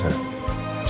selamat pagi semuanya